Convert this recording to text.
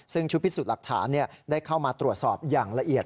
ซึ่งชุดพิสูจน์หลักฐานได้เข้ามาตรวจสอบอย่างละเอียด